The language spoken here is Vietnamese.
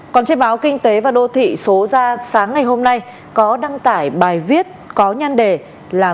còn trên báo kinh tế và đô thị số ra sáng ngày hôm nay có đăng tải bài viết có nhan đề là